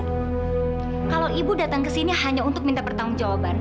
kalau ibu datang ke sini hanya untuk minta pertanggung jawaban